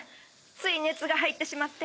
つい熱が入ってしまって。